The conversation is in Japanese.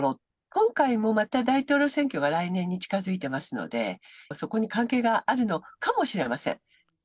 今回もまた大統領選挙が来年に近づいていますので、そこに関係があるのかもしれません。